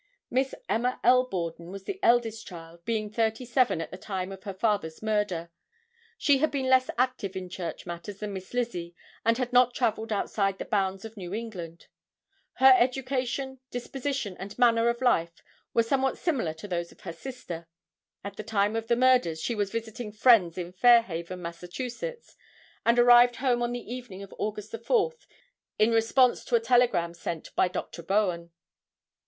Miss Emma L. Borden was the eldest child, being thirty seven at the time of her father's murder. She had been less active in church matters than Miss Lizzie and had not traveled outside the bounds of New England. Her education, disposition and manner of life were somewhat similar to those of her sister. At the time of the murders she was visiting friends in Fairhaven, Mass., and arrived home on the evening of August 4, in response to a telegram sent by Dr. Bowen.